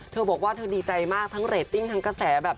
เธอบอกว่าเธอดีใจมากทั้งเรตติ้งทั้งกระแสแบบ